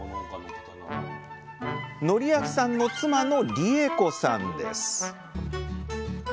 訓章さんの妻の理恵子さんです